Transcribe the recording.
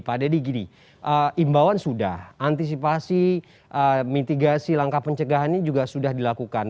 pak deddy gini imbauan sudah antisipasi mitigasi langkah pencegahan ini juga sudah dilakukan